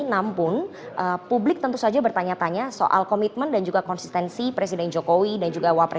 namun publik tentu saja bertanya tanya soal komitmen dan juga konsistensi presiden jokowi dan juga wapres